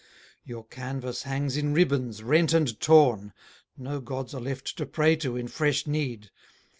Your canvass hangs in ribbons, rent and torn; No gods are left to pray to in fresh need.